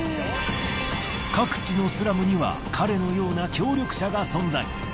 各地のスラムには彼のような協力者が存在。